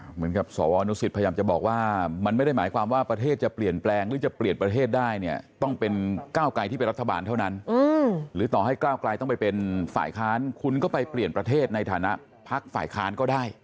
เหมือนกับสวนุสิตพยายามจะบอกว่ามันไม่ได้หมายความว่าประเทศจะเปลี่ยนแปลงหรือจะเปลี่ยนประเทศได้เนี่ยต้องเป็นก้าวไกลที่เป็นรัฐบาลเท่านั้นหรือต่อให้ก้าวกลายต้องไปเป็นฝ่ายค้านคุณก็ไปเปลี่ยนประเทศในฐานะพักฝ่ายค้านก็ได้